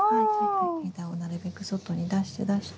枝をなるべく外に出して出して。